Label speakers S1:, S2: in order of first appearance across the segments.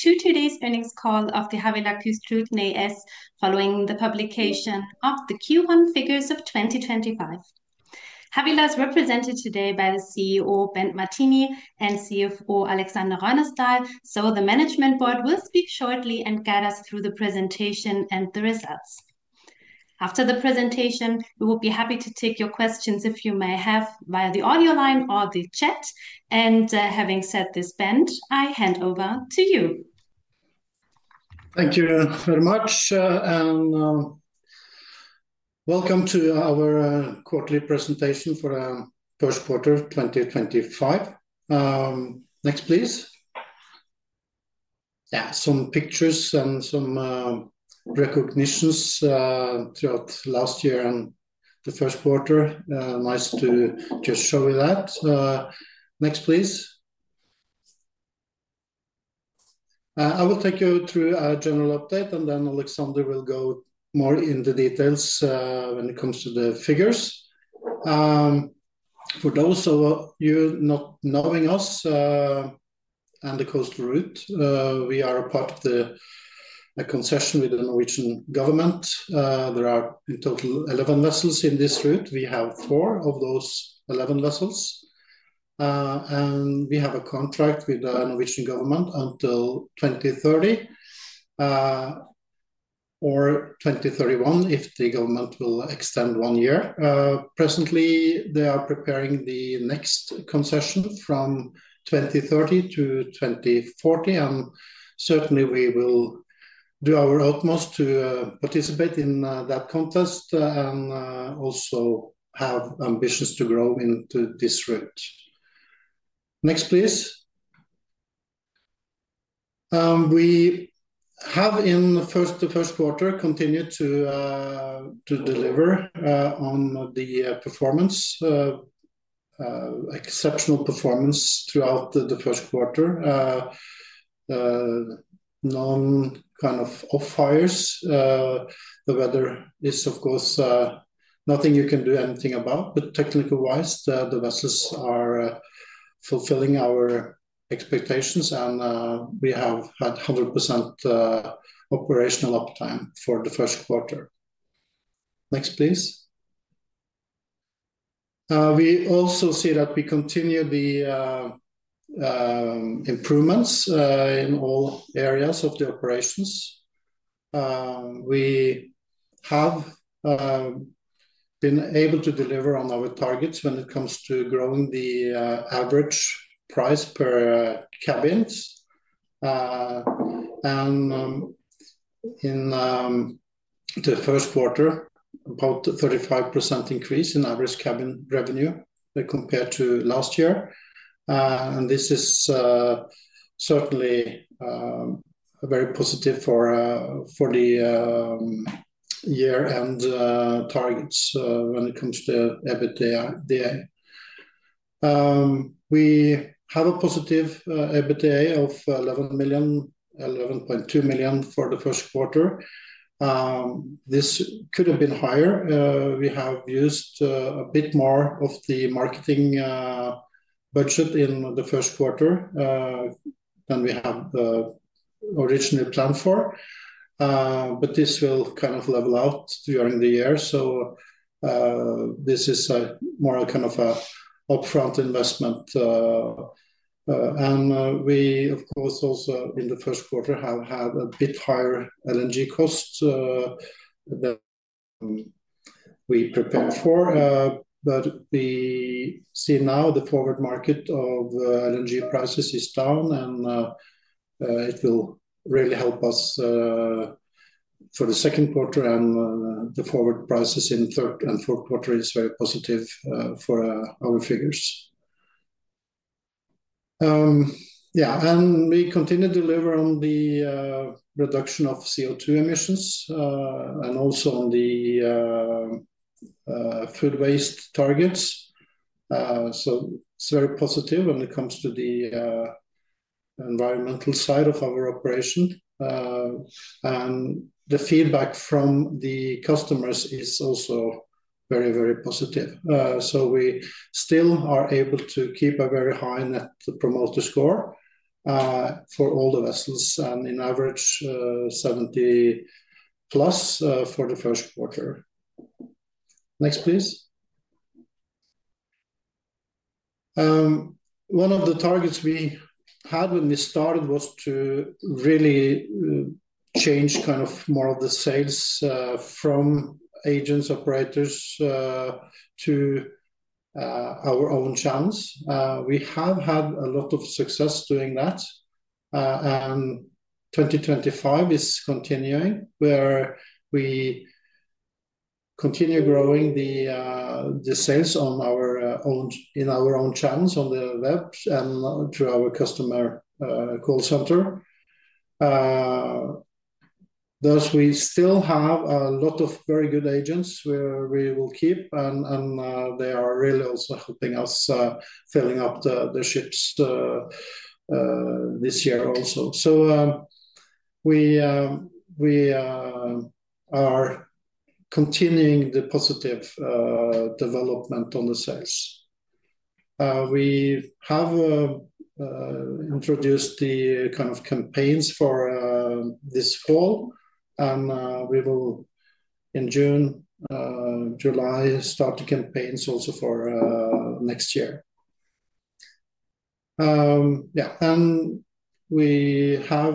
S1: To today's earnings call of Havila Kystruten AS following the publication of the Q1 figures of 2025. Havila is represented today by the CEO, Bent Martini, and CFO, Aleksander Røynesdal, so the management board will speak shortly and guide us through the presentation and the results. After the presentation, we will be happy to take your questions if you may have via the audio line or the chat. Having said this, Bent, I hand over to you.
S2: Thank you very much, and welcome to our quarterly presentation for the first quarter of 2025. Next, please. Yeah, some pictures and some recognitions throughout last year and the first quarter. Nice to just show you that. Next, please. I will take you through our general update, and then Aleksander will go more into the details when it comes to the figures. For those of you not knowing us and the Coastal Route, we are part of a concession with the Norwegian government. There are in total 11 vessels in this route. We have four of those 11 vessels, and we have a contract with the Norwegian government until 2030 or 2031 if the government will extend one year. Presently, they are preparing the next concession from 2030 to 2040, and certainly we will do our utmost to participate in that contest and also have ambitions to grow into this route. Next, please. We have in the first quarter continued to deliver on the performance, exceptional performance throughout the first quarter. Non-kind of off-fires. The weather is, of course, nothing you can do anything about, but technically wise, the vessels are fulfilling our expectations, and we have had 100% operational uptime for the first quarter. Next, please. We also see that we continue the improvements in all areas of the operations. We have been able to deliver on our targets when it comes to growing the average price per cabin, and in the first quarter, about 35% increase in average cabin revenue compared to last year. This is certainly very positive for the year-end targets when it comes to EBITDA. We have a positive EBITDA of 11.2 million for the first quarter. This could have been higher. We have used a bit more of the marketing budget in the first quarter than we had originally planned for, but this will kind of level out during the year. This is more kind of an upfront investment. We, of course, also in the first quarter have had a bit higher LNG cost than we prepared for, but we see now the forward market of LNG prices is down, and it will really help us for the second quarter, and the forward prices in the third and fourth quarter are very positive for our figures. We continue to deliver on the reduction of CO2 emissions and also on the food waste targets. It is very positive when it comes to the environmental side of our operation, and the feedback from the customers is also very, very positive. We still are able to keep a very high Net Promoter Score for all the vessels and in average 70+ for the first quarter. Next, please. One of the targets we had when we started was to really change kind of more of the sales from agents, operators to our own channels. We have had a lot of success doing that, and 2025 is continuing where we continue growing the sales in our own channels on the web and to our customer call center. Thus, we still have a lot of very good agents where we will keep, and they are really also helping us filling up the ships this year also. We are continuing the positive development on the sales. We have introduced the kind of campaigns for this fall, and we will in June, July start the campaigns also for next year. Yeah, and we have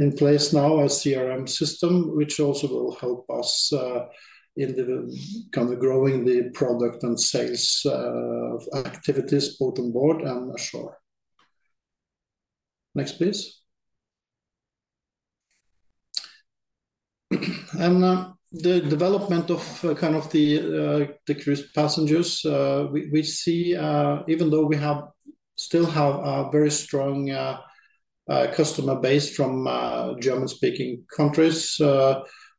S2: in place now a CRM system, which also will help us in kind of growing the product and sales activities both on board and ashore. Next, please. The development of kind of the decreased passengers, we see even though we still have a very strong customer base from German-speaking countries,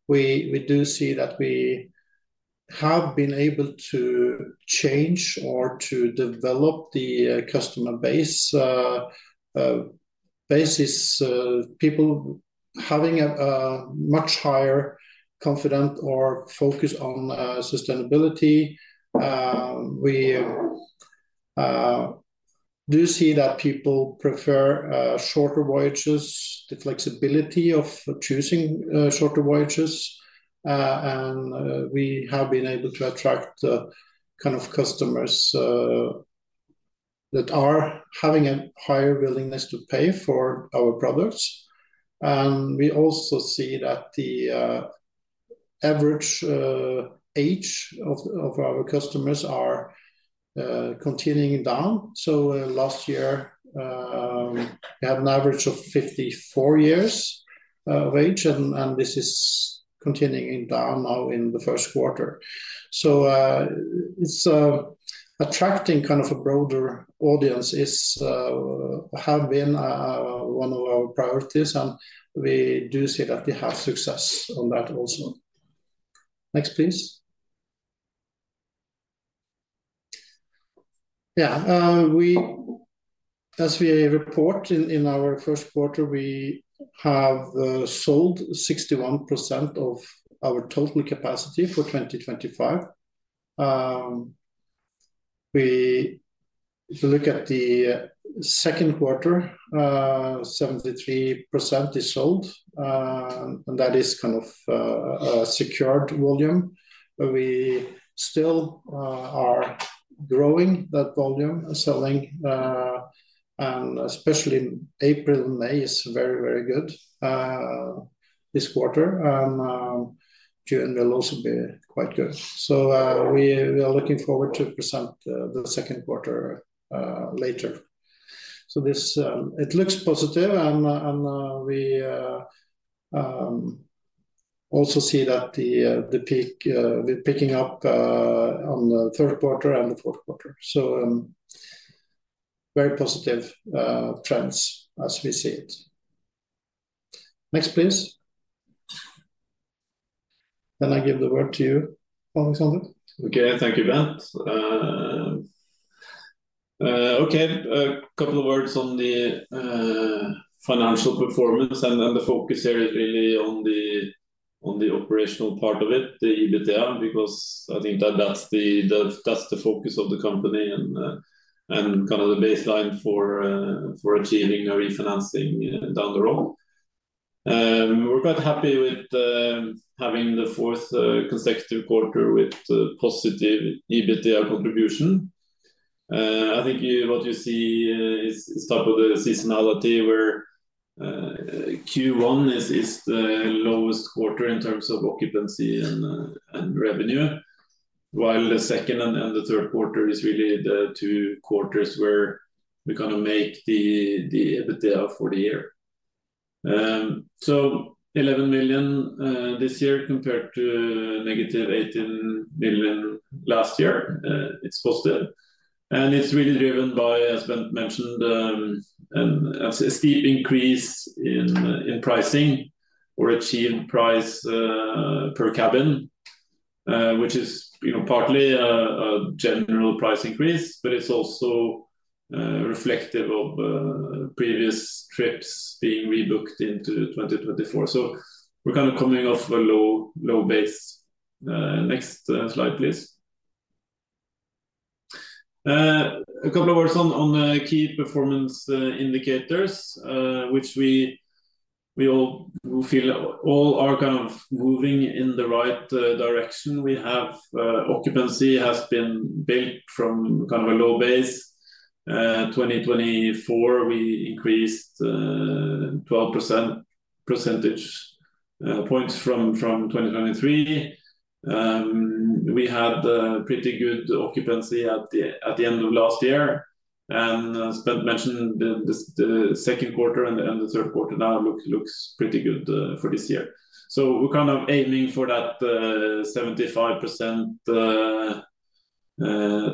S2: we do see that we have been able to change or to develop the customer base basis, people having a much higher confidence or focus on sustainability. We do see that people prefer shorter voyages, the flexibility of choosing shorter voyages, and we have been able to attract kind of customers that are having a higher willingness to pay for our products. We also see that the average age of our customers is continuing down. Last year, we had an average of 54 years of age, and this is continuing down now in the first quarter. It is attracting kind of a broader audience, which has been one of our priorities, and we do see that we have success on that also. Next, please. As we report in our first quarter, we have sold 61% of our total capacity for 2025. We look at the second quarter, 73% is sold, and that is kind of a secured volume. We still are growing that volume selling, and especially April and May is very, very good this quarter, and June will also be quite good. We are looking forward to present the second quarter later. It looks positive, and we also see that the peak we're picking up on the third quarter and the fourth quarter. Very positive trends as we see it. Next, please. I give the word to you, Aleksander.
S3: Okay, thank you, Bent. Okay, a couple of words on the financial performance, and the focus here is really on the operational part of it, the EBITDA, because I think that that's the focus of the company and kind of the baseline for achieving a refinancing down the road. We're quite happy with having the fourth consecutive quarter with positive EBITDA contribution. I think what you see is type of the seasonality where Q1 is the lowest quarter in terms of occupancy and revenue, while the second and the third quarter is really the two quarters where we kind of make the EBITDA for the year. 11 million this year compared to negative 18 million last year. It's positive, and it's really driven by, as Bent mentioned, a steep increase in pricing or achieved price per cabin, which is partly a general price increase, but it's also reflective of previous trips being rebooked into 2024. So we're kind of coming off a low base. Next slide, please. A couple of words on key performance indicators, which we all feel all are kind of moving in the right direction. We have occupancy has been built from kind of a low base. 2024, we increased 12 percentage points from 2023. We had pretty good occupancy at the end of last year, and as Bent mentioned, the second quarter and the third quarter now looks pretty good for this year. So we're kind of aiming for that 75%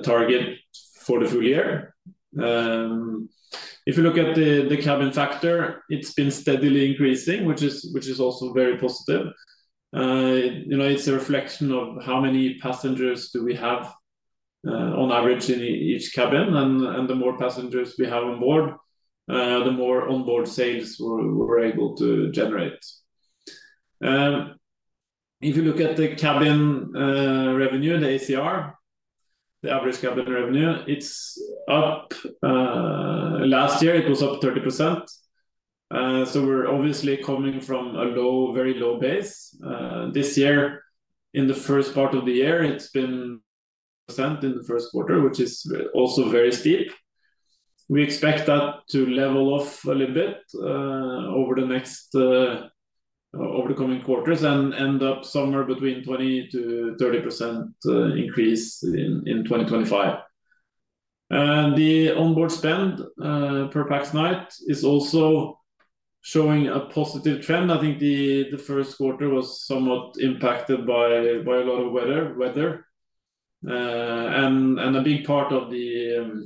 S3: target for the full year. If you look at the cabin factor, it's been steadily increasing, which is also very positive. It's a reflection of how many passengers do we have on average in each cabin, and the more passengers we have on board, the more onboard sales we're able to generate. If you look at the cabin revenue, the ACR, the average cabin revenue, it's up. Last year, it was up 30%. So we're obviously coming from a low, very low base. This year, in the first part of the year, it's been in the first quarter, which is also very steep. We expect that to level off a little bit over the next over the coming quarters and end up somewhere between 20%-30% increase in 2025. And the onboard spend per pax night is also showing a positive trend. I think the first quarter was somewhat impacted by a lot of weather, and a big part of the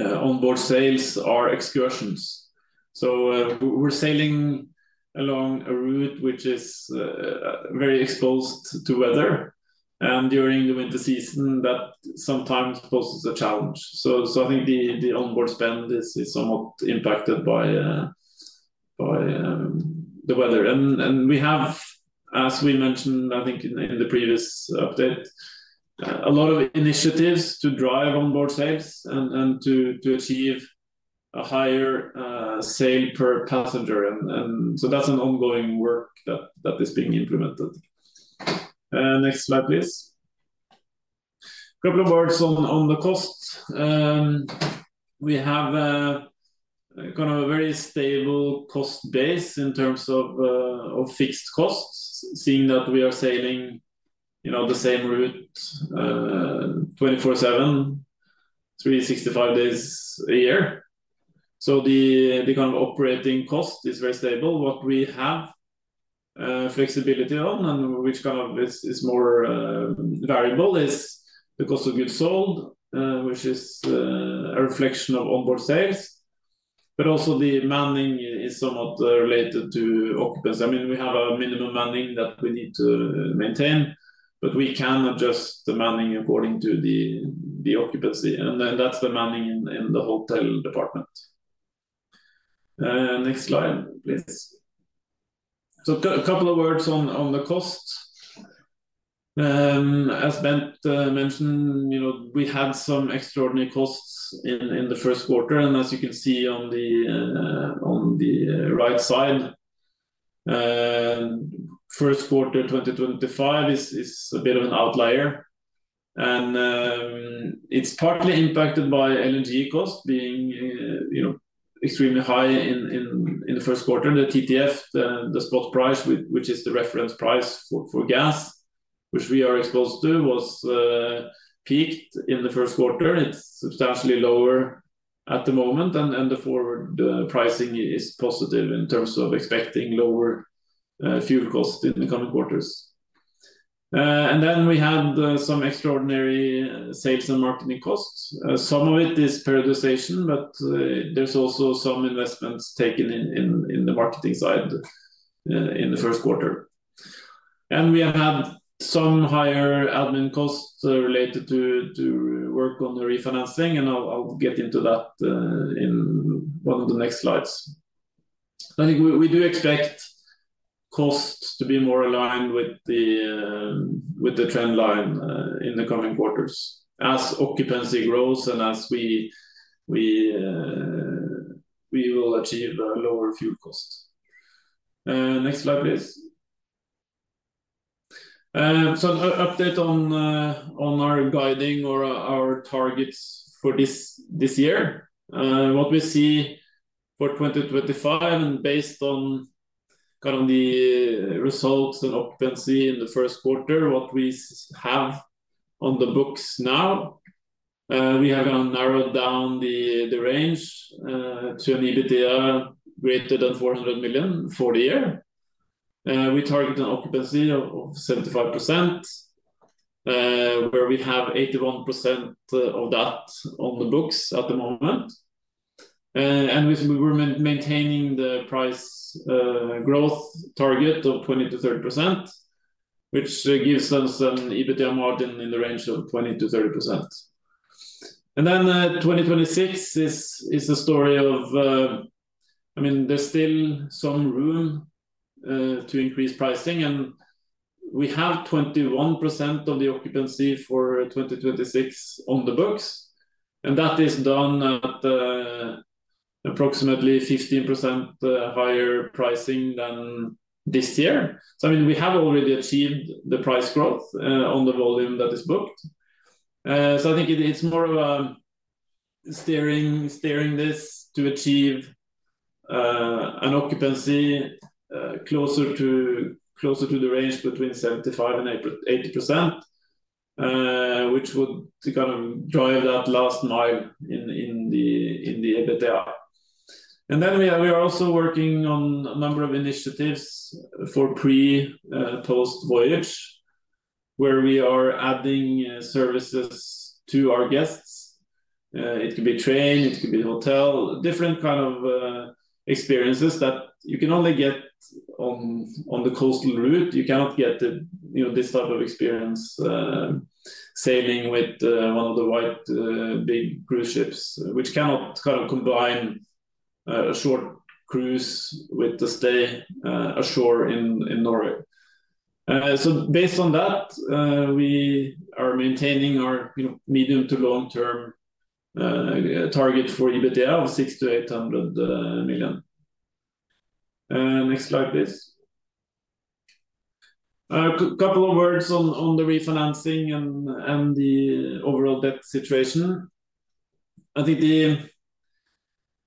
S3: onboard sales are excursions. We're sailing along a route which is very exposed to weather, and during the winter season, that sometimes poses a challenge. I think the onboard spend is somewhat impacted by the weather. We have, as we mentioned, I think in the previous update, a lot of initiatives to drive onboard sales and to achieve a higher sale per passenger. That's an ongoing work that is being implemented. Next slide, please. A couple of words on the cost. We have kind of a very stable cost base in terms of fixed costs, seeing that we are sailing the same route 24/7, 365 days a year. The kind of operating cost is very stable. What we have flexibility on, and which kind of is more variable, is the cost of goods sold, which is a reflection of onboard sales, but also the manning is somewhat related to occupancy. I mean, we have a minimum manning that we need to maintain, but we can adjust the manning according to the occupancy, and that's the manning in the hotel department. Next slide, please. A couple of words on the cost. As Bent mentioned, we had some extraordinary costs in the first quarter, and as you can see on the right side, first quarter 2025 is a bit of an outlier, and it's partly impacted by LNG costs being extremely high in the first quarter. The TTF, the spot price, which is the reference price for gas, which we are exposed to, was peaked in the first quarter. It's substantially lower at the moment, and the forward pricing is positive in terms of expecting lower fuel costs in the coming quarters. We had some extraordinary sales and marketing costs. Some of it is periodization, but there's also some investments taken in the marketing side in the first quarter. We have had some higher admin costs related to work on the refinancing, and I'll get into that in one of the next slides. I think we do expect costs to be more aligned with the trend line in the coming quarters as occupancy grows and as we will achieve lower fuel costs. Next slide, please. An update on our guiding or our targets for this year. What we see for 2025, and based on kind of the results and occupancy in the first quarter, what we have on the books now, we have kind of narrowed down the range to an EBITDA greater than 400 million for the year. We target an occupancy of 75%, where we have 81% of that on the books at the moment. We are maintaining the price growth target of 20%-30%, which gives us an EBITDA margin in the range of 20%-30%. 2026 is a story of, I mean, there is still some room to increase pricing, and we have 21% of the occupancy for 2026 on the books, and that is done at approximately 15% higher pricing than this year. I mean, we have already achieved the price growth on the volume that is booked. I think it's more of steering this to achieve an occupancy closer to the range between 75% and 80%, which would kind of drive that last mile in the EBITDA. We are also working on a number of initiatives for pre-post voyage, where we are adding services to our guests. It could be train, it could be hotel, different kind of experiences that you can only get on the coastal route. You cannot get this type of experience sailing with one of the white big cruise ships, which cannot kind of combine a short cruise with the stay ashore in Norway. Based on that, we are maintaining our medium to long-term target for EBITDA of 600 million-800 million. Next slide, please. A couple of words on the refinancing and the overall debt situation. I think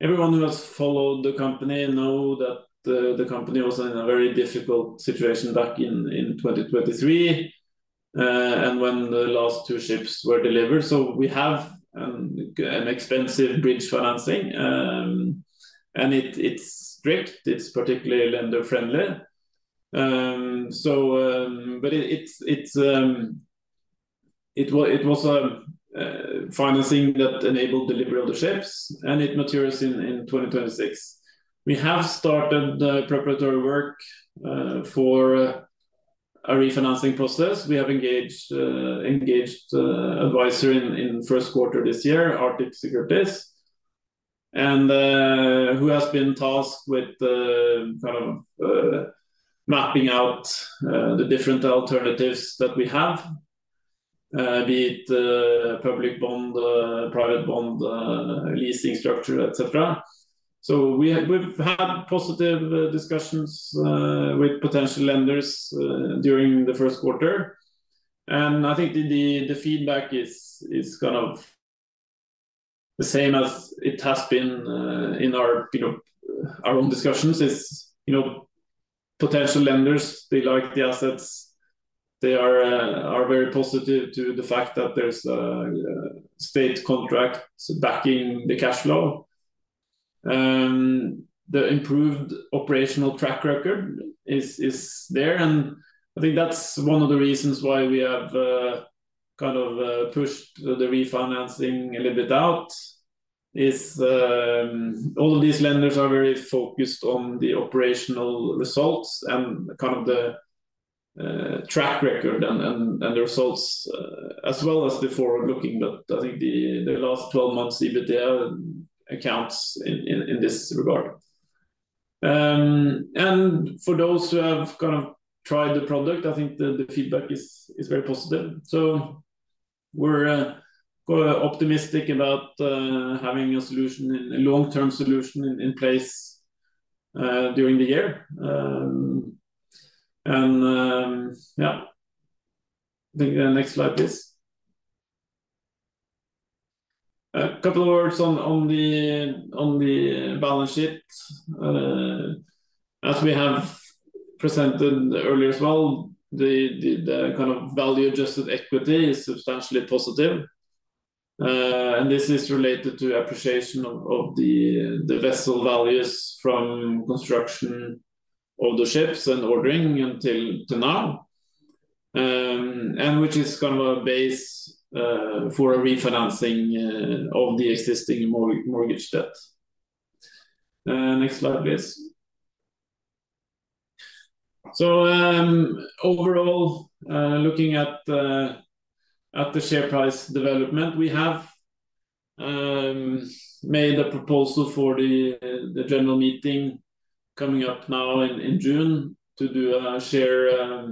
S3: everyone who has followed the company knows that the company was in a very difficult situation back in 2023 and when the last two ships were delivered. We have an expensive bridge financing, and it's strict. It's particularly lender-friendly. It was a financing that enabled the delivery of the ships, and it matures in 2026. We have started preparatory work for a refinancing process. We have engaged an advisor in the first quarter this year, Arctic Securities, who has been tasked with kind of mapping out the different alternatives that we have, be it public bond, private bond, leasing structure, etc. We have had positive discussions with potential lenders during the first quarter. I think the feedback is kind of the same as it has been in our own discussions. Potential lenders, they like the assets. They are very positive to the fact that there's a state contract backing the cash flow. The improved operational track record is there, and I think that's one of the reasons why we have kind of pushed the refinancing a little bit out, is all of these lenders are very focused on the operational results and kind of the track record and the results as well as the forward looking. I think the last 12 months' EBITDA counts in this regard. For those who have kind of tried the product, I think the feedback is very positive. We are optimistic about having a solution, a long-term solution in place during the year. Next slide, please. A couple of words on the balance sheet. As we have presented earlier as well, the kind of value-adjusted equity is substantially positive. This is related to appreciation of the vessel values from construction of the ships and ordering until now, which is kind of a base for refinancing of the existing mortgage debt. Next slide, please. Overall, looking at the share price development, we have made a proposal for the general meeting coming up now in June to do a share,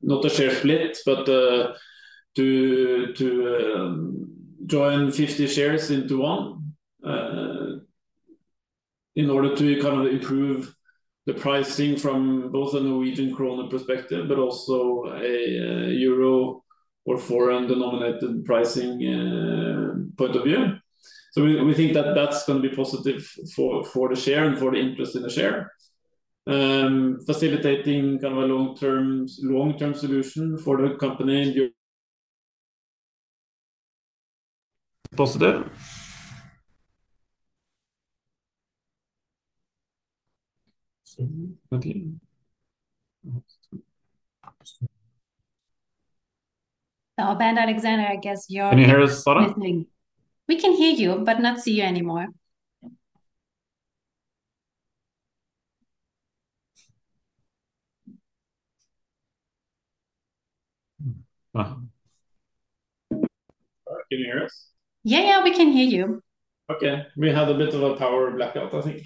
S3: not a share split, but to join 50 shares into one in order to kind of improve the pricing from both a Norwegian krone perspective, but also a euro or foreign denominated pricing point of view. We think that that's going to be positive for the share and for the interest in the share, facilitating kind of a long-term solution for the company. Positive.
S1: Oh, Bent, Aleksander, I guess you're listening. Can you hear us, Sarah? We can hear you, but not see you anymore.
S3: Can you hear us?
S1: Yeah, yeah, we can hear you.
S3: Okay. We had a bit of a power blackout, I think.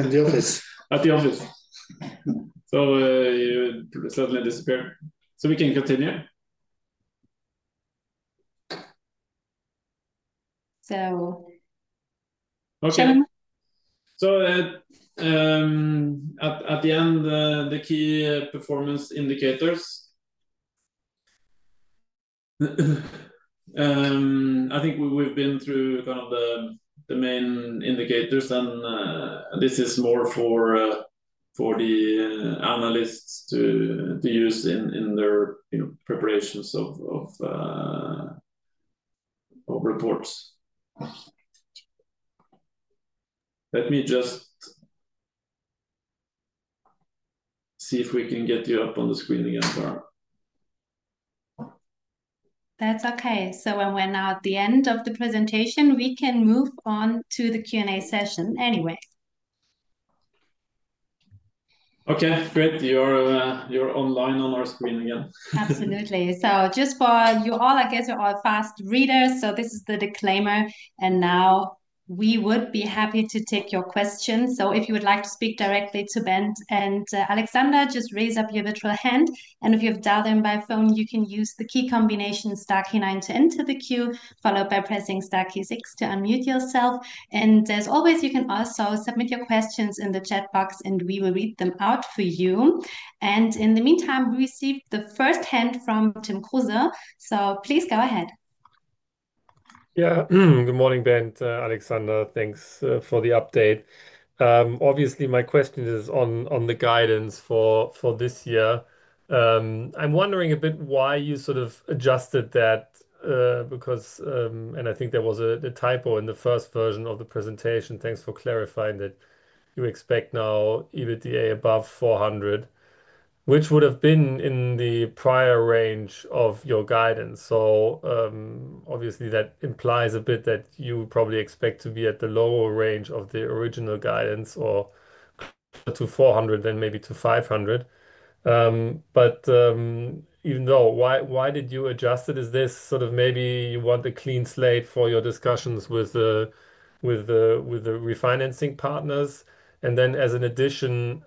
S3: In the office. At the office. You suddenly disappeared. We can continue. Okay. At the end, the key performance indicators. I think we've been through kind of the main indicators, and this is more for the analysts to use in their preparations of reports. Let me just see if we can get you up on the screen again, Sarah.
S1: That's okay. Now we're at the end of the presentation, we can move on to the Q&A session anyway.
S3: Okay. Great. You're online on our screen again.
S1: Absolutely. Just for you all, I guess you're all fast readers. This is the disclaimer. Now we would be happy to take your questions. If you would like to speak directly to Bent and Aleksander, just raise up your virtual hand. If you have dialed in by phone, you can use the key combination star key nine to enter the queue, followed by pressing star key six to unmute yourself. As always, you can also submit your questions in the chat box, and we will read them out for you. In the meantime, we received the first hand from Tim Kruse. Please go ahead.
S4: Yeah. Good morning, Bent, Aleksander. Thanks for the update. Obviously, my question is on the guidance for this year. I'm wondering a bit why you sort of adjusted that, because I think there was a typo in the first version of the presentation. Thanks for clarifying that you expect now EBITDA above 400 million, which would have been in the prior range of your guidance. Obviously, that implies a bit that you probably expect to be at the lower range of the original guidance or to 400 million, then maybe to 500 million. Even though, why did you adjust it? Is this sort of maybe you want a clean slate for your discussions with the refinancing partners? As an addition,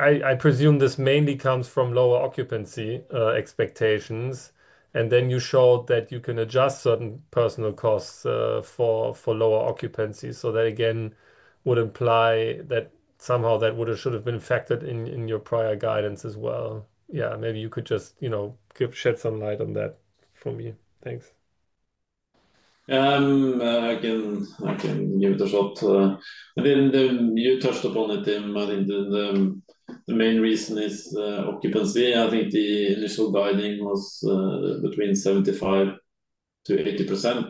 S4: I presume this mainly comes from lower occupancy expectations. You showed that you can adjust certain personnel costs for lower occupancy. That again would imply that somehow that should have been factored in your prior guidance as well. Maybe you could just shed some light on that for me. Thanks.
S3: I can give it a shot. I mean, you touched upon it, Tim. I think the main reason is occupancy. I think the initial guiding was between 75%-80%.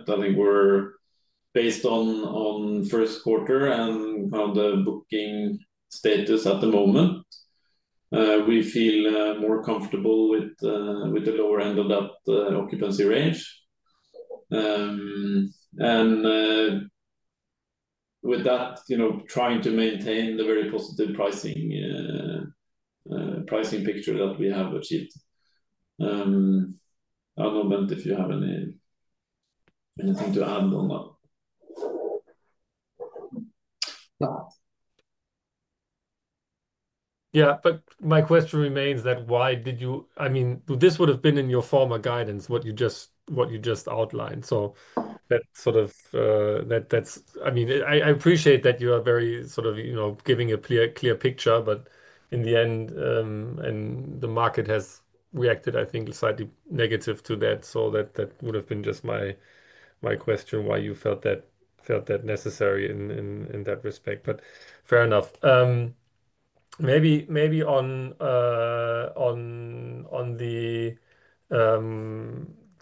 S3: I think we're based on first quarter and kind of the booking status at the moment. We feel more comfortable with the lower end of that occupancy range. With that, trying to maintain the very positive pricing picture that we have achieved. I don't know, Bent, if you have anything to add on that.
S4: Yeah, but my question remains that why did you, I mean, this would have been in your former guidance, what you just outlined. That sort of, I mean, I appreciate that you are very sort of giving a clear picture, but in the end, the market has reacted, I think, slightly negative to that. That would have been just my question why you felt that necessary in that respect. Fair enough. Maybe on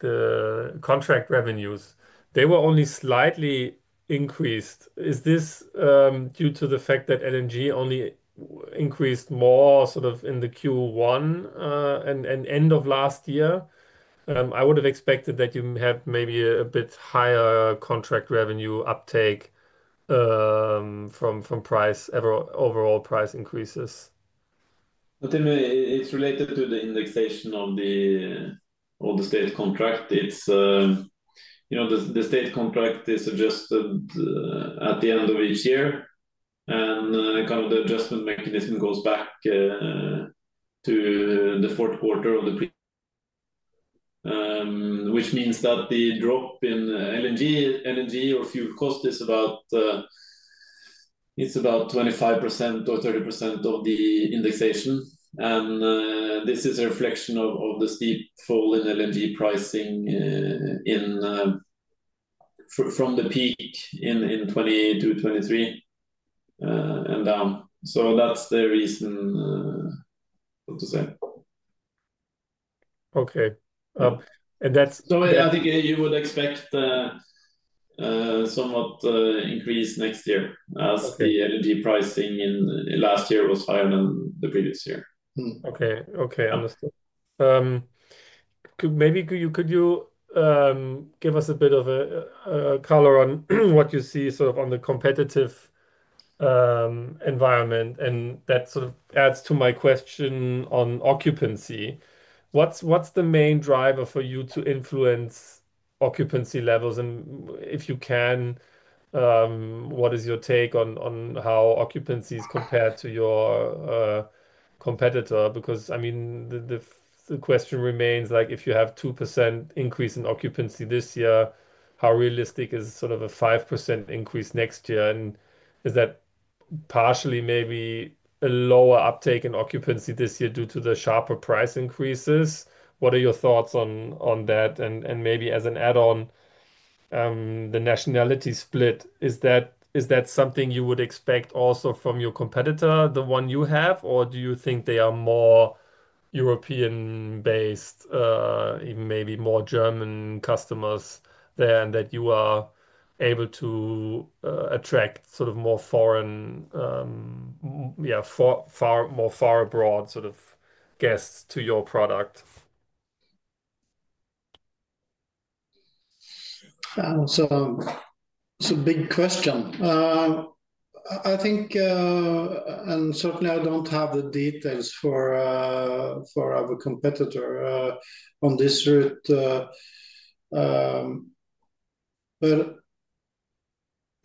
S4: the contract revenues, they were only slightly increased. Is this due to the fact that LNG only increased more sort of in the Q1 and end of last year? I would have expected that you have maybe a bit higher contract revenue uptake from overall price increases.
S3: It's related to the indexation of the state contract. The state contract is adjusted at the end of each year. The adjustment mechanism goes back to the fourth quarter of the pre, which means that the drop in LNG or fuel cost is about 25% or 30% of the indexation. This is a reflection of the steep fall in LNG pricing from the peak in 2022, 2023, and down. That's the reason to say.
S4: Okay.
S3: I think you would expect somewhat increase next year as the LNG pricing last year was higher than the previous year.
S4: Okay. Okay. Understood. Maybe could you give us a bit of a color on what you see sort of on the competitive environment? That sort of adds to my question on occupancy. What's the main driver for you to influence occupancy levels? If you can, what is your take on how occupancy is compared to your competitor? I mean, the question remains, if you have 2% increase in occupancy this year, how realistic is sort of a 5% increase next year? Is that partially maybe a lower uptake in occupancy this year due to the sharper price increases? What are your thoughts on that? Maybe as an add-on, the nationality split, is that something you would expect also from your competitor, the one you have? Do you think they are more European-based, maybe more German customers there and that you are able to attract sort of more foreign, yeah, far more far abroad sort of guests to your product?
S2: Big question. I think, and certainly I don't have the details for our competitor on this route.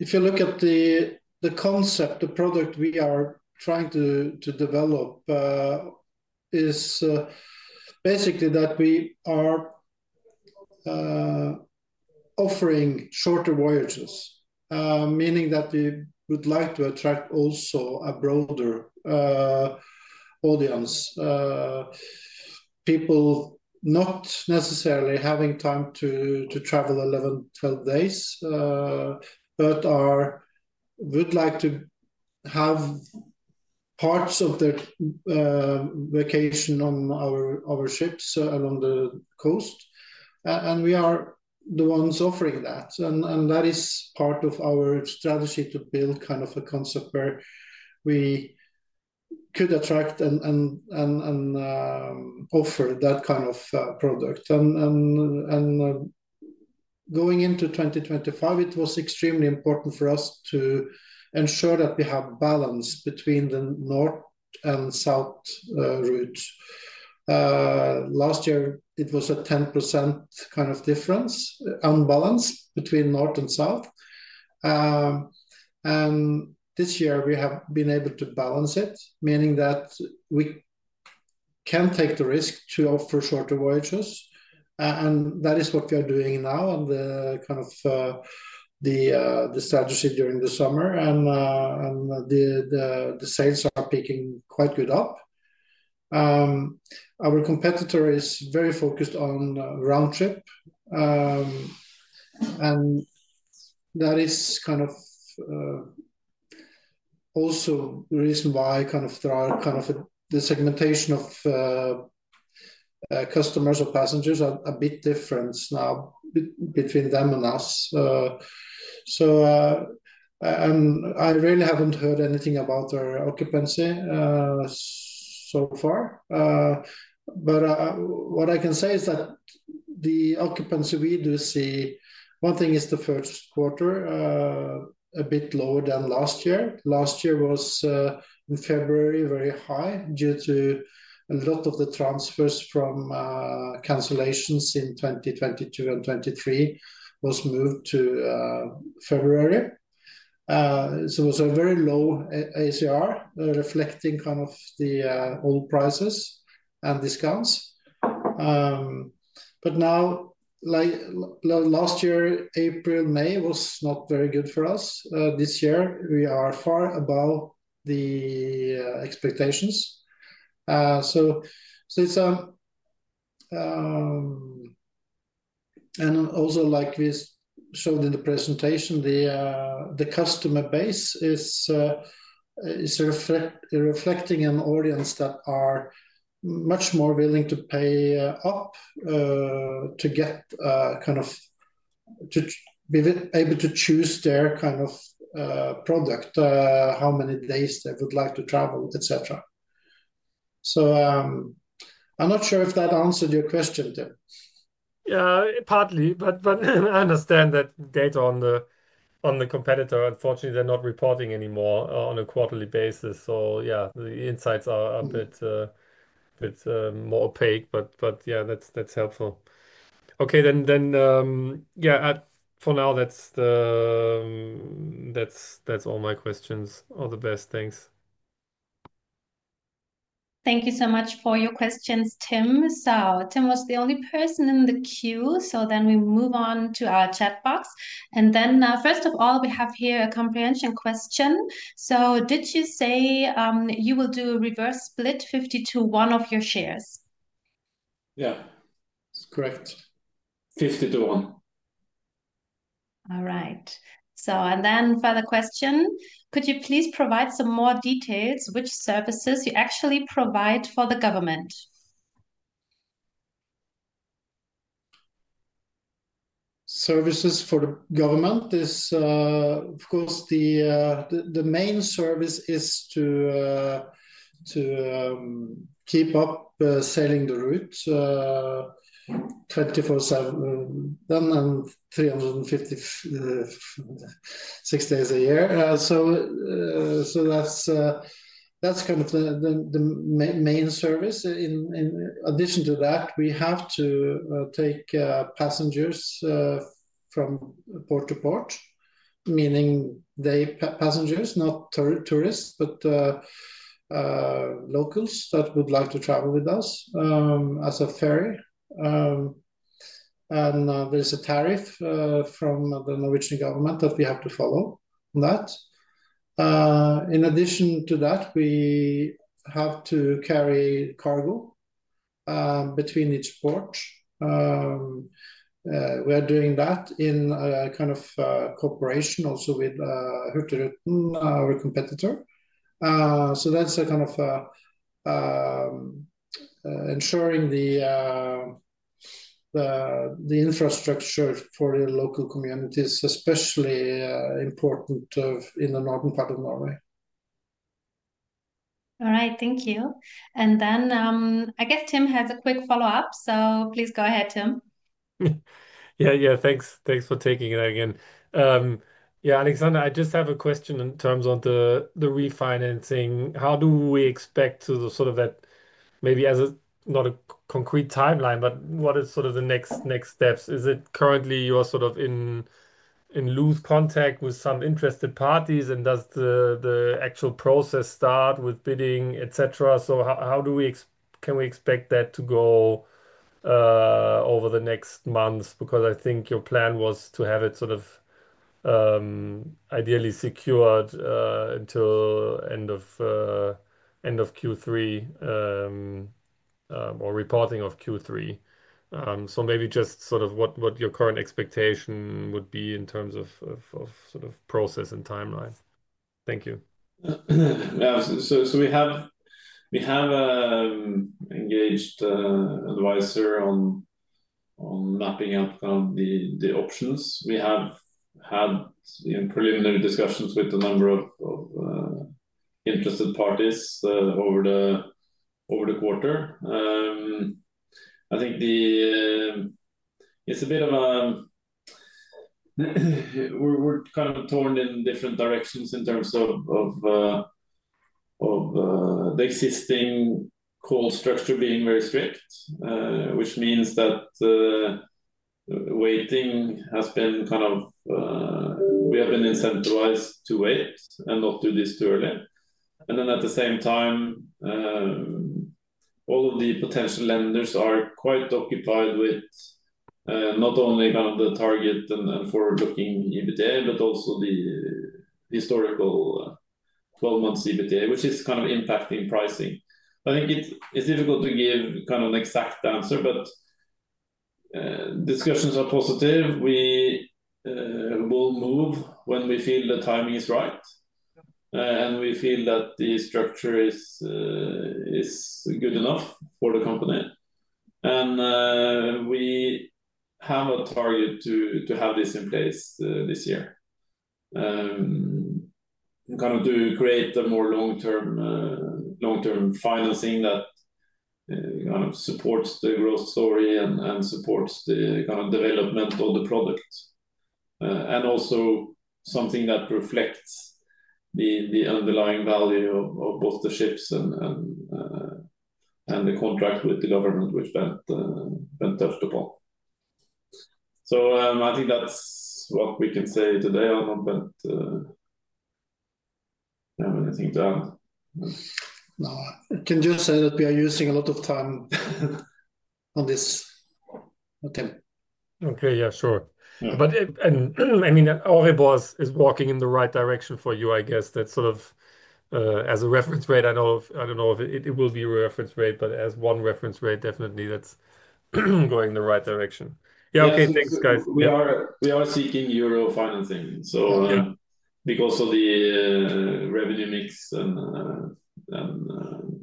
S2: If you look at the concept, the product we are trying to develop is basically that we are offering shorter voyages, meaning that we would like to attract also a broader audience, people not necessarily having time to travel 11, 12 days, but would like to have parts of their vacation on our ships along the coast. We are the ones offering that. That is part of our strategy to build kind of a concept where we could attract and offer that kind of product. Going into 2025, it was extremely important for us to ensure that we have balance between the north and south routes. Last year, it was a 10% kind of difference, unbalance between north and south. This year, we have been able to balance it, meaning that we can take the risk to offer shorter voyages. That is what we are doing now on kind of the strategy during the summer. The sales are picking quite good up. Our competitor is very focused on round trip. That is kind of also the reason why kind of the segmentation of customers or passengers are a bit different now between them and us. I really have not heard anything about their occupancy so far. What I can say is that the occupancy we do see, one thing is the first quarter a bit lower than last year. Last year was in February very high due to a lot of the transfers from cancellations in 2022 and 2023 was moved to February. It was a very low ACR reflecting kind of the old prices and discounts. Now, last year, April, May was not very good for us. This year, we are far above the expectations. It is, and also like we showed in the presentation, the customer base is reflecting an audience that are much more willing to pay up to get kind of to be able to choose their kind of product, how many days they would like to travel, etc. I am not sure if that answered your question, Tim.
S4: Yeah, partly. I understand that data on the competitor, unfortunately, they are not reporting anymore on a quarterly basis. The insights are a bit more opaque. Yeah, that is helpful. Okay. For now, that's all my questions or the best. Thanks.
S1: Thank you so much for your questions, Tim. Tim was the only person in the queue. We move on to our chat box. First of all, we have here a comprehension question. Did you say you will do a reverse share split 50 to one of your shares?
S3: Yeah. That's correct. 50 to one.
S1: All right. Further question. Could you please provide some more details which services you actually provide for the government?
S2: Services for the government is, of course, the main service is to keep up selling the route 24/7 and 356 days a year. That's kind of the main service. In addition to that, we have to take passengers from port to port, meaning passengers, not tourists, but locals that would like to travel with us as a ferry. There is a tariff from the Norwegian government that we have to follow. In addition to that, we have to carry cargo between each port. We are doing that in kind of cooperation also with Hurtigruten, our competitor. That is kind of ensuring the infrastructure for the local community is especially important in the northern part of Norway.
S1: All right. Thank you. I guess Tim has a quick follow-up. Please go ahead, Tim.
S4: Yeah. Thanks. Thanks for taking it again. Yeah, Aleksander, I just have a question in terms of the refinancing. How do we expect sort of that maybe as not a concrete timeline, but what is sort of the next steps? Is it currently you're sort of in loose contact with some interested parties? Does the actual process start with bidding, etc.? How can we expect that to go over the next months? I think your plan was to have it sort of ideally secured until end of Q3 or reporting of Q3. Maybe just sort of what your current expectation would be in terms of sort of process and timeline. Thank you.
S3: Yeah. We have an engaged advisor on mapping out the options. We have had preliminary discussions with a number of interested parties over the quarter. I think it's a bit of a we're kind of torn in different directions in terms of the existing call structure being very strict, which means that waiting has been kind of we have been incentivized to wait and not do this too early. At the same time, all of the potential lenders are quite occupied with not only kind of the target and forward-looking EBITDA, but also the historical 12-month EBITDA, which is kind of impacting pricing. I think it's difficult to give kind of an exact answer, but discussions are positive. We will move when we feel the timing is right and we feel that the structure is good enough for the company. We have a target to have this in place this year and kind of to create a more long-term financing that kind of supports the growth story and supports the kind of development of the product. Also, something that reflects the underlying value of both the ships and the contract with the government, which Bent touched upon. I think that's what we can say today. I don't know if I have anything to add.
S2: No. I can just say that we are using a lot of time on this. Okay.
S4: Yeah. Sure. I mean, all it was is walking in the right direction for you, I guess, that sort of as a reference rate. I do not know if it will be a reference rate, but as one reference rate, definitely that is going the right direction. Yeah. Okay. Thanks, guys.
S3: We are seeking euro financing because of the revenue mix and yeah.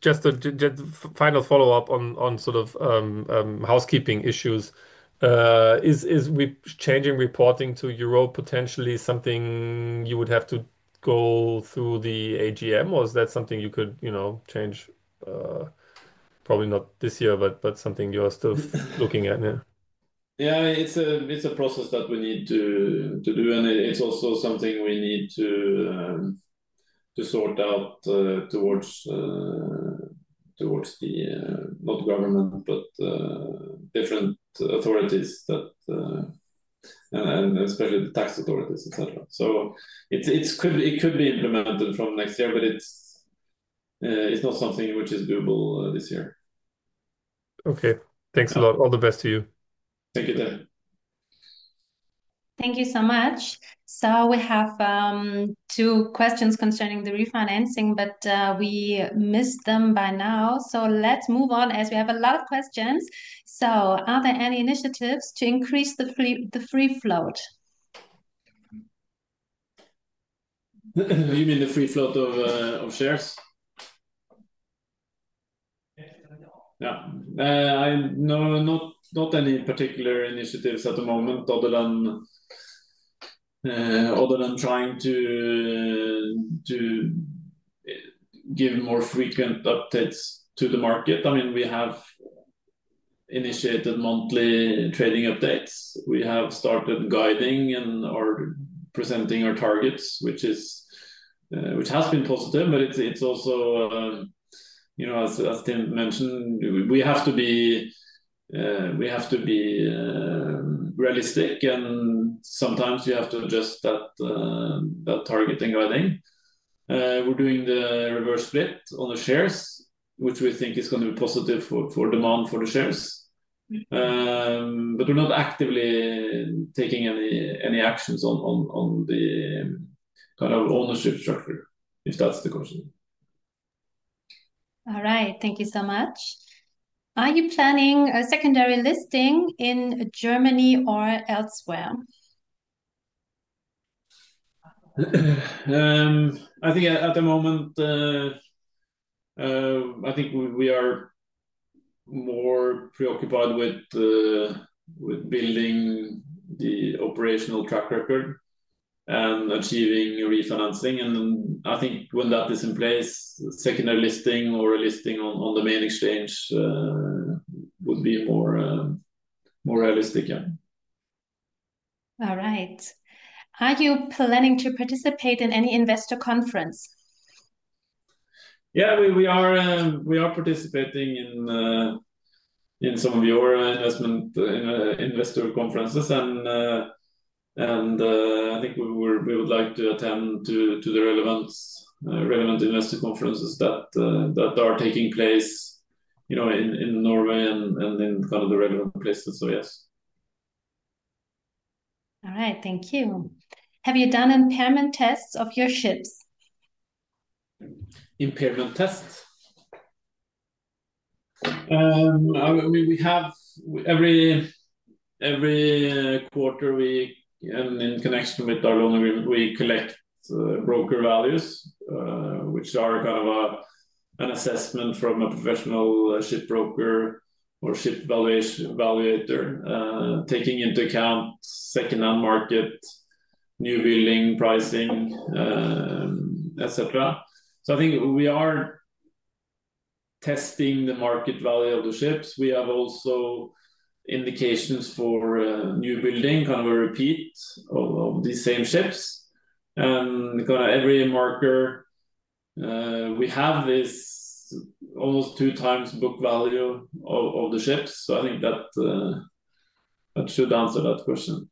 S4: Just a final follow-up on sort of housekeeping issues. Is changing reporting to Europe potentially something you would have to go through the AGM, or is that something you could change? Probably not this year, but something you are still looking at now.
S3: Yeah. It's a process that we need to do, and it's also something we need to sort out towards the, not government, but different authorities, and especially the tax authorities, etc. It could be implemented from next year, but it's not something which is doable this year.
S4: Okay. Thanks a lot. All the best to you.
S3: Thank you, Tim.
S1: Thank you so much. We have two questions concerning the refinancing, but we missed them by now. Let's move on as we have a lot of questions. Are there any initiatives to increase the free float?
S3: You mean the free float of shares? Yeah. Not any particular initiatives at the moment other than trying to give more frequent updates to the market. I mean, we have initiated monthly trading updates. We have started guiding and are presenting our targets, which has been positive, but it's also, as Tim mentioned, we have to be realistic, and sometimes you have to adjust that targeting guiding. We're doing the reverse split on the shares, which we think is going to be positive for demand for the shares. We're not actively taking any actions on the kind of ownership structure, if that's the question.
S1: All right. Thank you so much. Are you planning a secondary listing in Germany or elsewhere?
S3: I think at the moment, I think we are more preoccupied with building the operational track record and achieving refinancing. I think when that is in place, secondary listing or a listing on the main exchange would be more realistic, yeah.
S1: All right. Are you planning to participate in any investor conference?
S3: Yeah. We are participating in some of your investor conferences. I think we would like to attend the relevant investor conferences that are taking place in Norway and in kind of the relevant places. Yes.
S1: All right. Thank you. Have you done impairment tests of your ships?
S3: Impairment tests? I mean, we have every quarter, and in connection with our loan agreement, we collect broker values, which are kind of an assessment from a professional ship broker or ship valuator, taking into account secondhand market, new building pricing, etc. I think we are testing the market value of the ships. We have also indications for new building, kind of a repeat of the same ships. Every marker, we have this almost two-times book value of the ships. I think that should answer that question.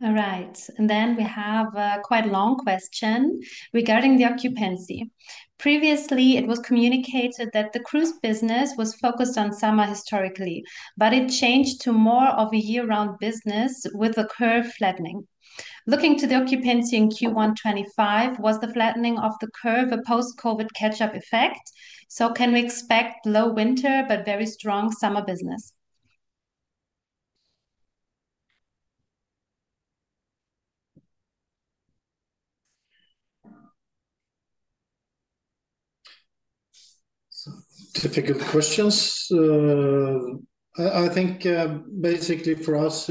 S1: All right. We have a quite long question regarding the occupancy. Previously, it was communicated that the cruise business was focused on summer historically, but it changed to more of a year-round business with the curve flattening. Looking to the occupancy in Q1 2025, was the flattening of the curve a post-COVID catch-up effect? Can we expect low winter but very strong summer business?
S2: Typical questions. I think basically for us,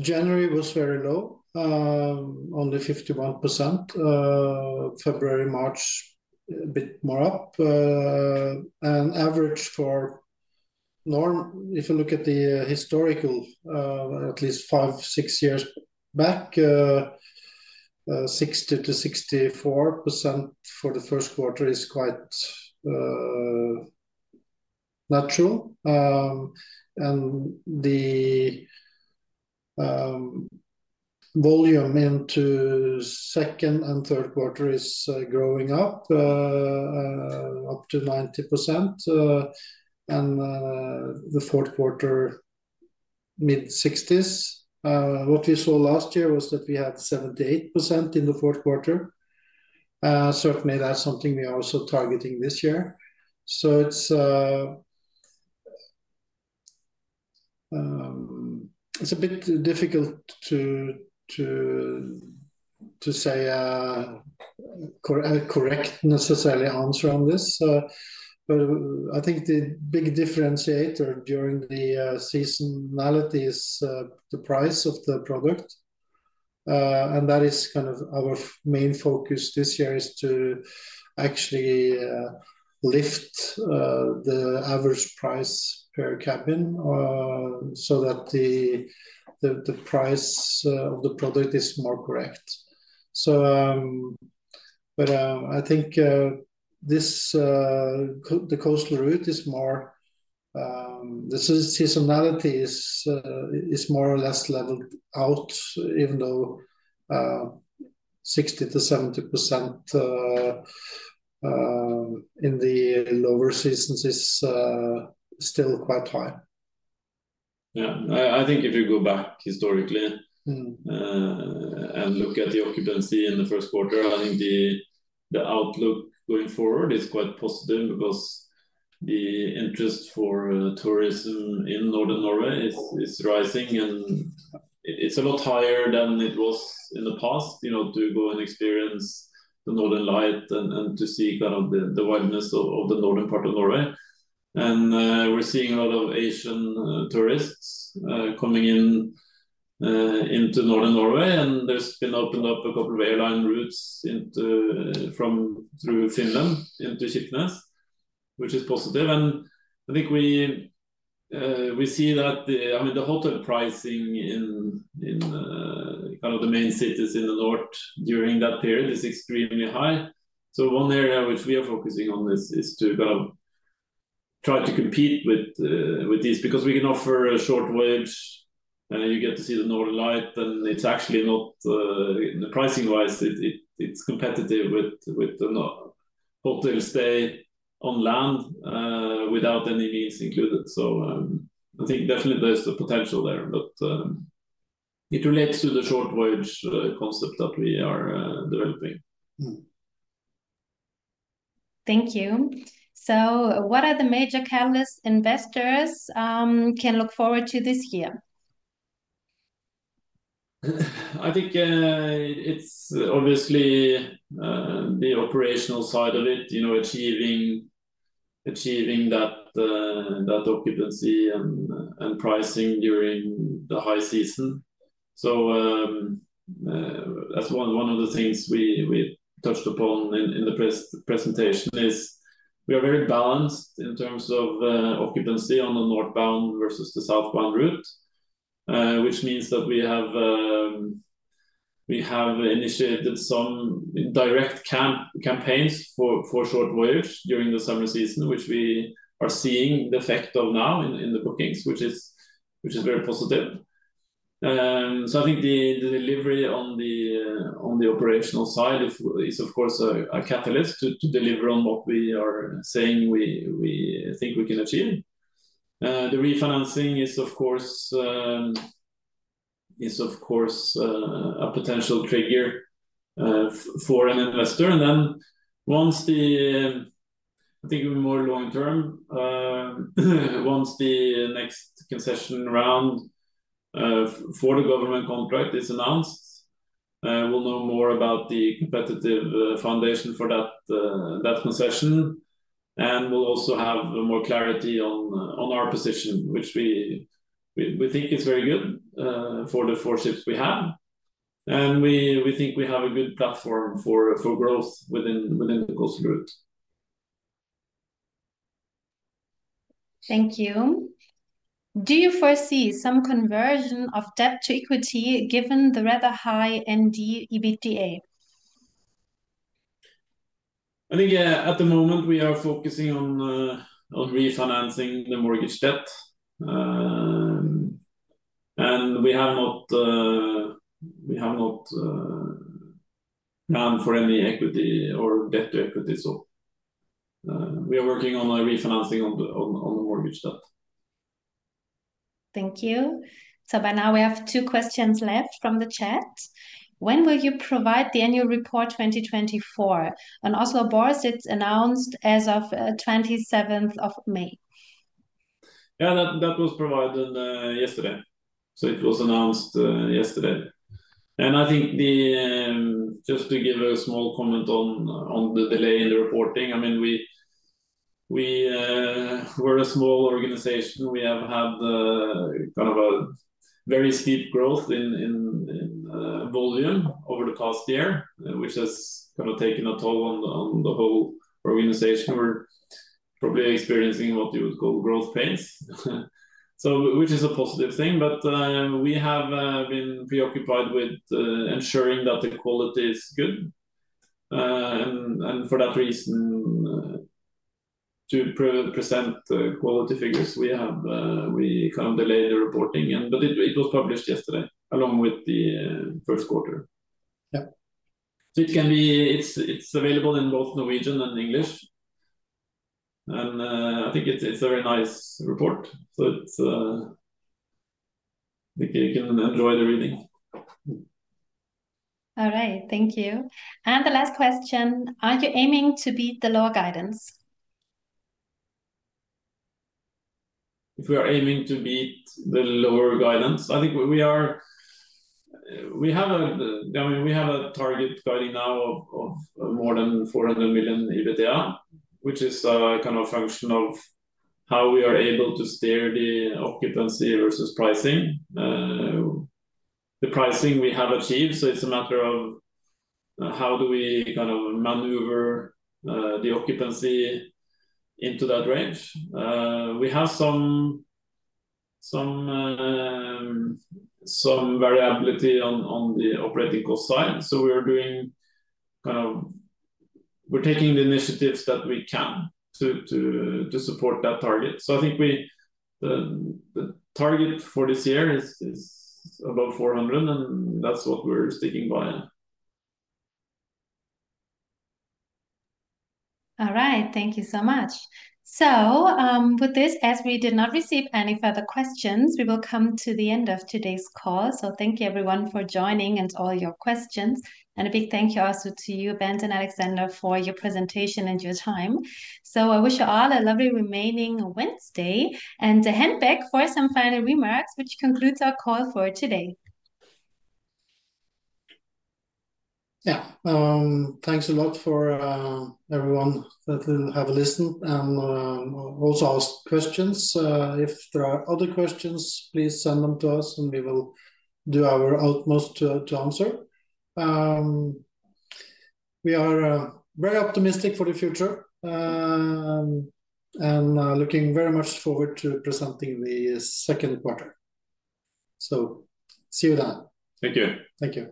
S2: January was very low, only 51%. February, March, a bit more up. And average for norm, if you look at the historical, at least five, six years back, 60%-64% for the first quarter is quite natural. The volume into second and third quarter is growing up up to 90%. The fourth quarter, mid-60s. What we saw last year was that we had 78% in the fourth quarter. Certainly, that's something we are also targeting this year. It's a bit difficult to say a correct necessarily answer on this. I think the big differentiator during the seasonality is the price of the product. That is kind of our main focus this year, to actually lift the average price per cabin so that the price of the product is more correct. I think the coastal route is more, the seasonality is more or less leveled out, even though 60%-70% in the lower seasons is still quite high.
S3: Yeah. If you go back historically and look at the occupancy in the first quarter, I think the outlook going forward is quite positive because the interest for tourism in Northern Norway is rising. It is a lot higher than it was in the past to go and experience the northern light and to see kind of the wildness of the northern part of Norway. We are seeing a lot of Asian tourists coming into northern Norway. There have been opened up a couple of airline routes through Finland into Kirkenes, which is positive. I think we see that, I mean, the hotel pricing in kind of the main cities in the north during that period is extremely high. One area which we are focusing on is to kind of try to compete with these because we can offer a short wave. You get to see the northern light, and it is actually not pricing-wise, it is competitive with the hotel stay on land without any means included. I think definitely there's a potential there, but it relates to the short wave concept that we are developing.
S1: Thank you. What are the major catalysts investors can look forward to this year?
S3: I think it's obviously the operational side of it, achieving that occupancy and pricing during the high season. One of the things we touched upon in the presentation is we are very balanced in terms of occupancy on the northbound versus the southbound route, which means that we have initiated some direct campaigns for short voyage during the summer season, which we are seeing the effect of now in the bookings, which is very positive. I think the delivery on the operational side is, of course, a catalyst to deliver on what we are saying we think we can achieve. The refinancing is, of course, a potential trigger for an investor. Once the, I think more long-term, once the next concession round for the government contract is announced, we'll know more about the competitive foundation for that concession. We'll also have more clarity on our position, which we think is very good for the four ships we have. We think we have a good platform for growth within the coastal route.
S1: Thank you. Do you foresee some conversion of debt to equity given the rather high ND EBITDA?
S3: I think at the moment we are focusing on refinancing the mortgage debt. We have not planned for any equity or debt to equity. We are working on refinancing on the mortgage debt.
S1: Thank you. By now, we have two questions left from the chat. When will you provide the annual report 2024? Oslo Børs, it announced as of 27th of May.
S3: Yeah. That was provided yesterday. It was announced yesterday. I think just to give a small comment on the delay in the reporting, I mean, we were a small organization. We have had kind of a very steep growth in volume over the past year, which has kind of taken a toll on the whole organization. We're probably experiencing what you would call growth pains, which is a positive thing. We have been preoccupied with ensuring that the quality is good. For that reason, to present quality figures, we kind of delayed the reporting. It was published yesterday along with the first quarter. Yeah. It is available in both Norwegian and English. I think it is a very nice report. You can enjoy the reading.
S1: All right. Thank you. The last question, are you aiming to beat the lower guidance?
S3: If we are aiming to beat the lower guidance, I think we have a target guiding now of more than 400 million EBITDA, which is kind of a function of how we are able to steer the occupancy versus pricing. The pricing we have achieved, so it's a matter of how do we kind of maneuver the occupancy into that range. We have some variability on the operating cost side. We're taking the initiatives that we can to support that target. I think the target for this year is above 400 million, and that's what we're sticking by.
S1: All right. Thank you so much. With this, as we did not receive any further questions, we will come to the end of today's call. Thank you, everyone, for joining and all your questions. A big thank you also to you, Bent and Aleksander, for your presentation and your time. I wish you all a lovely remaining Wednesday. To hand back for some final remarks, which concludes our call for today.
S2: Yeah. Thanks a lot for everyone that have listened and also asked questions. If there are other questions, please send them to us, and we will do our utmost to answer. We are very optimistic for the future and looking very much forward to presenting the second quarter. See you then.
S3: Thank you.
S2: Thank you.